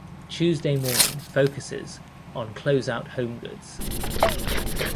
Tuesday Morning focuses on closeout home goods.